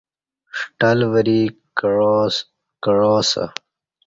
ݜٹل وری کعا اسہ